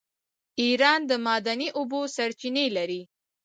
ایران د معدني اوبو چینې لري.